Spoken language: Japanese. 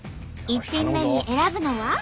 １品目に選ぶのは？